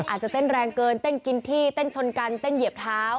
อาจจะเต้นแรงเกินเต้นกินที่เต้นชนกันเต้นเหยียบเท้า